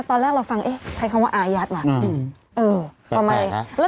ตอนแรกเราฟังเอ๊ะใช้คำว่าอายัดว่ะอืมเออแปลกแปลงนะ